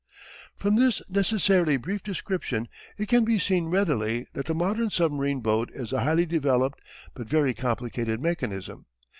From this necessarily brief description it can be seen readily that the modern submarine boat is a highly developed, but very complicated mechanism.